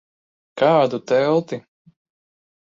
Kādu telti?